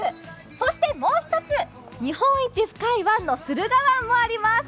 そしてもう一つ、日本一深い湾の駿河湾もあります。